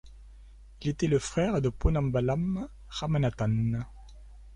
Il était le frère de Ponnambalam Ramanathan.